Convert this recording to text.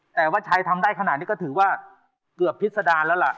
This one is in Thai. แต่ว่าชัยทำได้ขนาดนี้ก็ถือว่าเกือบพิษดารแล้วล่ะ